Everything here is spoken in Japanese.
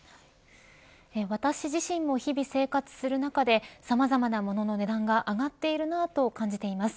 私自身も日々生活する中でさまざまなものの値段が上がっているなと感じています。